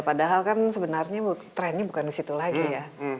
padahal kan sebenarnya trendnya bukan disitu lagi ya